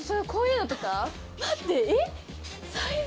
待ってえっ？